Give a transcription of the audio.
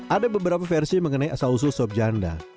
ada beberapa versi mengenai asal usul sobjanda